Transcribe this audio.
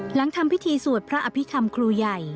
หลังทำพิธีสวดพระอภิษฐรรมครูใหญ่